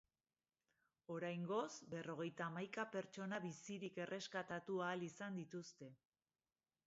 Oraingoz, berrogeita hamaika pertsona bizirik erreskatatu ahal izan dituzte.